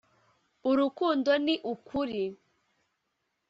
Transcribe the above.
urukundo ni ukuri